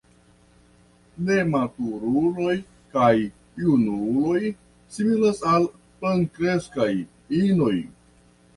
Nematuruloj kaj junuloj similas al plenkreskaj inoj.